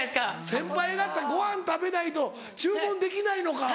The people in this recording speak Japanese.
先輩方ご飯食べないと注文できないのか。